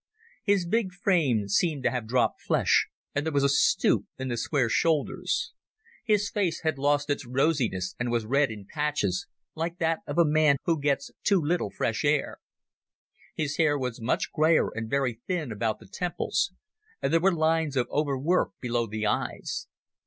His big frame seemed to have dropped flesh and there was a stoop in the square shoulders. His face had lost its rosiness and was red in patches, like that of a man who gets too little fresh air. His hair was much greyer and very thin about the temples, and there were lines of overwork below the eyes.